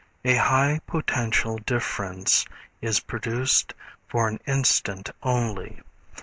A high potential difference is produced for an instant only.